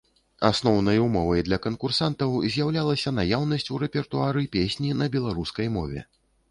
Асноўнай умовай для канкурсантаў з'яўлялася наяўнасць у рэпертуары песні на беларускай мове.